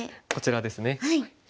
こちらですね。